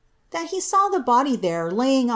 •• thai he saw the body there, lying on ih«